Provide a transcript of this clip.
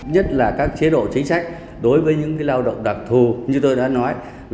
nhất là các chế độ chính sách đối với những lao động đặc thù như tôi đã nói